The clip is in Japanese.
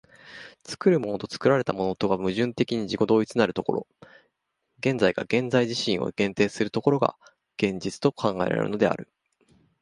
作るものと作られたものとが矛盾的に自己同一なる所、現在が現在自身を限定する所が、現実と考えられるのである。